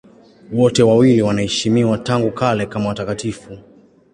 Wote wawili wanaheshimiwa tangu kale kama watakatifu.